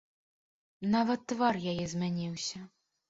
Нават твар яе змяніўся.